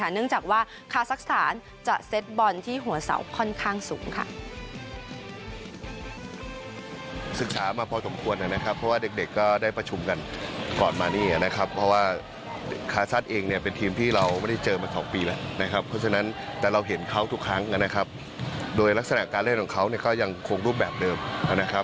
เนื่องจากว่าคาซักสถานจะเซ็ตบอลที่หัวเสาค่อนข้างสูงค่ะ